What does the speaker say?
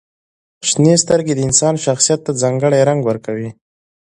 • شنې سترګې د انسان شخصیت ته ځانګړې رنګ ورکوي.